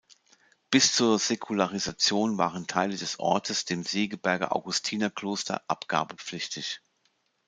Bis zur Säkularisation waren Teile des Ortes dem Segeberger Augustinerkloster abgabepflichtig.